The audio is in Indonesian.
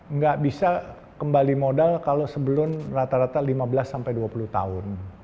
nggak bisa kembali modal kalau sebelum rata rata lima belas sampai dua puluh tahun